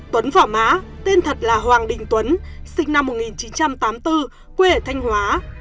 tuấn vỏ má tên thật là hoàng đình tuấn sinh năm một nghìn chín trăm tám mươi bốn quê ở thanh hóa